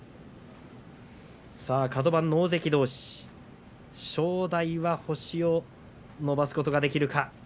カド番の大関どうし正代は星を伸ばすことができるか。